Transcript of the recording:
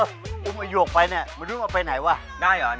อีกทีก็ไม่มีความรู้สึกว่าข้าจะเป็นใคร